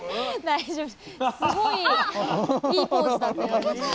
大丈夫。